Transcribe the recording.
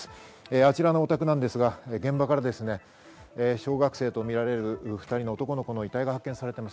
あちらのお宅、現場から小学生とみられる２人の男の子の遺体が発見されています。